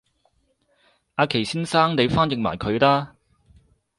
阿祁先生你翻譯埋佢啦